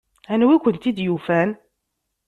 Anwa i kent-id-yufan?